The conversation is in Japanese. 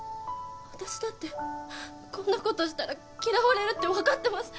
私だってこんなことしたら嫌われるって分かってます